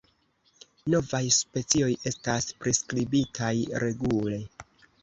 Novaj specioj estas priskribitaj regule.